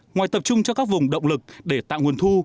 ngoài tập trung cho các vùng động lực để tạo nguồn thu